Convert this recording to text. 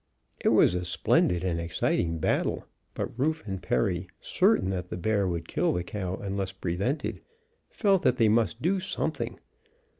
It was a splendid and exciting battle, but Rufe and Perry, certain that the bear would kill the cow unless prevented, felt that they must do something.